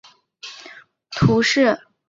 尚帕涅圣伊莱尔人口变化图示